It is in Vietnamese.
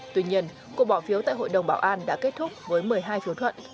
tuy nhiên cuộc bỏ phiếu tại hội đồng bảo an đã kết thúc với một mươi hai phiếu thuận